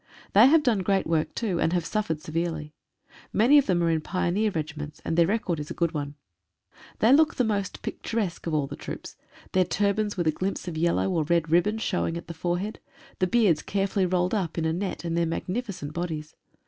They have done great work too, and have suf fered severely. Many of them are in pioneer regiments, and their record is a good one. They look the most 143 AFRIDIS AND PATHANS. picturesque of all the troops — their turbans with a glimpse of yellow or red ribbon showing at the forehead, the beards carefully rolled up in a net, and their magnificent bodies.